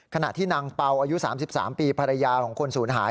ขณะที่นางเป่าอายุ๓๓ปีภรรยาของคนศูนย์หาย